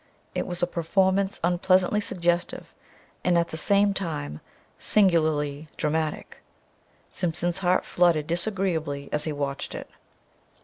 It was a performance unpleasantly suggestive and at the same time singularly dramatic. Simpson's heart fluttered disagreeably as he watched it.